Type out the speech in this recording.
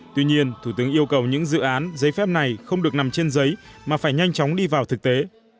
tuy nhiên thủ tướng yêu cầu những dự án giấy phép này không được nằm trên giấy mà phải nhanh chóng đi vào thực tế